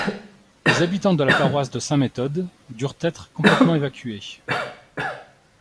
Les habitants de la paroisse de Saint-Méthode durent être complètement évacués.